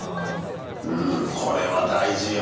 うんこれは大事よ。